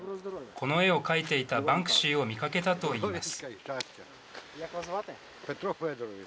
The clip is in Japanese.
この絵を描いていたバンクシーを見かけたと言います。